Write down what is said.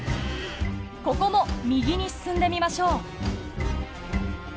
ここも右に進んでみましょう。